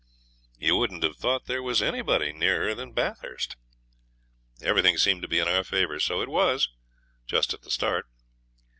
You wouldn't have thought there was anybody nearer than Bathurst. Everything seemed to be in our favour. So it was, just at the start.